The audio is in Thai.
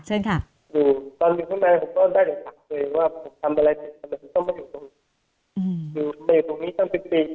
ที่ตรงนี้ต้อง